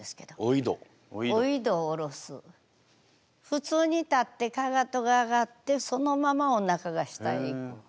普通に立ってかかとが上がってそのままおなかが下に行く。